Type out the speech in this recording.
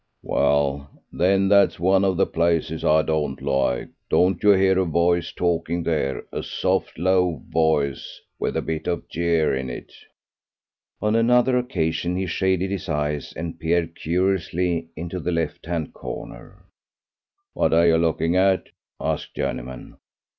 "Well, then, that's one of the places I don't like. Don't you hear a voice talking there, a soft, low voice, with a bit of a jeer in it?" On another occasion he shaded his eyes and peered curiously into the left hand corner. "What are you looking at?" asked Journeyman.